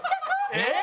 えっ！？